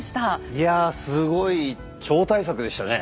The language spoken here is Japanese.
いやすごい超大作でしたね。